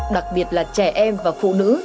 đặc biệt là trẻ em và phụ nữ